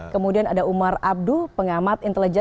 kemudian ada umar abduh pengamat intelijen